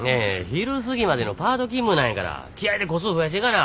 昼過ぎまでのパート勤務なんやから気合いで個数増やしていかな！